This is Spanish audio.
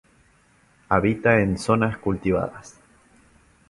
Habita en zonas cultivadas.